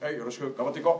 頑張っていこう。